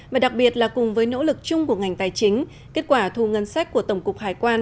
và đặc biệt là cùng với nỗ lực chung của ngành tài chính kết quả thu ngân sách của tổng cục hải quan